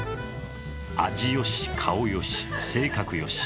味よし、顔よし、性格よし。